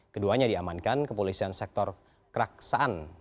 keduanya diamankan kepolisian sektor keraksaan